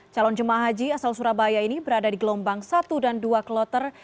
calon jemaah haji asal surabaya ini berada di gelombang satu dan dua kloter